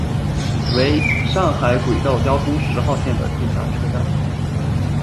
为上海轨道交通十号线的地下车站。